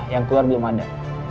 yang keluar belum ada